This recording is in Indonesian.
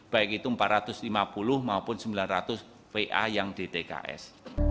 baik itu empat ratus lima puluh maupun sembilan ratus va yang dtks